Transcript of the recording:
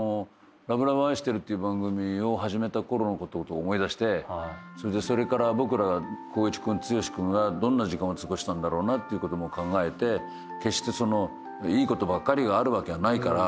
『ＬＯＶＥＬＯＶＥあいしてる』っていう番組を始めたころのことを思い出してそれから僕ら光一君剛君はどんな時間を過ごしたんだろうなっていうことも考えて決していいことばっかりがあるわけはないから。